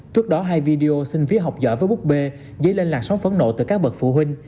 trước đó hai video xin phía học giỏi với búp bê giấy lên lạc sóng phấn nộ từ các bậc phụ huynh